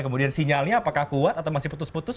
kemudian sinyalnya apakah kuat atau masih putus putus